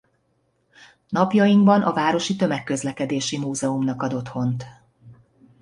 Napjainkban a Városi Tömegközlekedési Múzeumnak ad otthont.